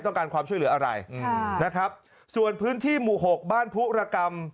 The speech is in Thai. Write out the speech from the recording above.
ต้องการความช่วยเหลืออะไรอืมนะครับส่วนพื้นที่หมู่หกบ้านผู้ระกรรม